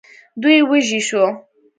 دوی وږي شوو.